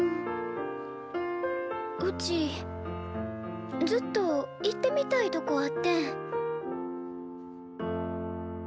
うちずっと行ってみたいとこあってん。